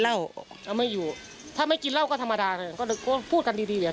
เล่าเอาไม่อยู่ถ้าไม่กินเล่าก็ธรรมดาก็พูดกันดีแบบ